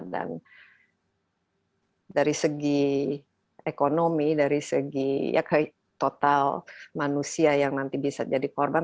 dan dari segi ekonomi dari segi total manusia yang nanti bisa jadi korban